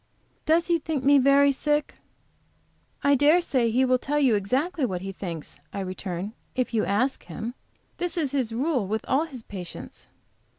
"Does he think me very sick?" "I dare say he will tell you exactly what he thinks," I returned, "if you ask him. This is his rule with all his patients."